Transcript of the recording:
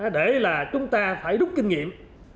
để là chúng ta phải đúng kinh nghiệm